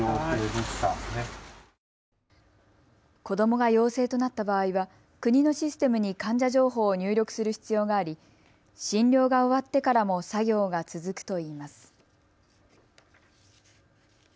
子どもが陽性となった場合は国のシステムに患者情報を入力する必要があり診療が終わってからも作業が続くといいます。